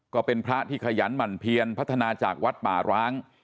ก็เป็นพระที่ขยันหมั่นเพียนพัฒนาจากวัดป่าร้าง